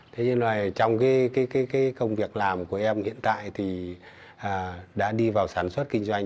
thế nhưng mà trong cái công việc làm của em hiện tại thì đã đi vào sản xuất kinh doanh